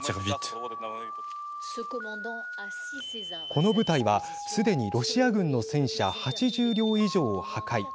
この部隊は、すでにロシア軍の戦車８０両以上を破壊。